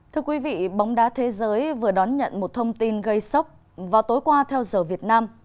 thưa quý vị bóng đá thế giới vừa đón nhận một thông tin gây sốc vào tối qua theo giờ việt nam